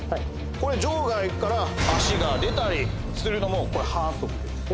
これ場外から足が出たりするのもこれ反則です